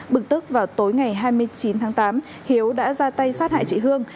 bực tức vào tối ngày hai mươi chín tháng tám hiếu đã ra tay sát hại chị hương